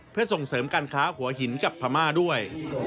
เพื่อส่งเสริมการค้าหัวหินกับพม่าด้วย